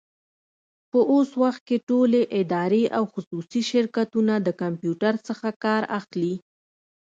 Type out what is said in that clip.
په اوس وخت کي ټولي ادارې او خصوصي شرکتونه د کمپيوټر څخه کار اخلي.